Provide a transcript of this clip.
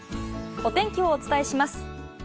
お天気をお伝えします。